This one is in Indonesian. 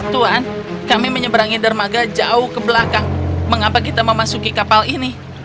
tuan kami menyeberangi dermaga jauh ke belakang mengapa kita memasuki kapal ini